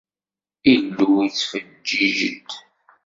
Illu yettfeǧǧiǧ-d.